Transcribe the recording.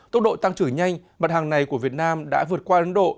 tốc độ tăng trưởng nhanh mặt hàng này của việt nam đã vượt qua ấn độ